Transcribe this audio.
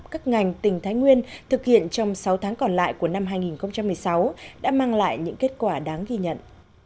các ngành tỉnh thái nguyên thực hiện trong sáu tháng còn lại của năm hai nghìn một mươi sáu đã mang lại những kết quả đáng ghi nhận